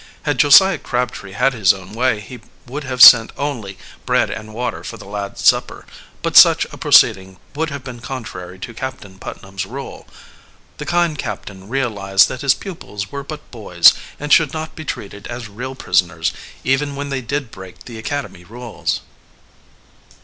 Had Josiah Crabtree had his own way, he would have sent only bread and water for the lad's supper, but such a proceeding would have been contrary to Captain Putnam's rule. The kind captain realized that his pupils were but boys and should not be treated as real prisoners, even when they did break the academy rules.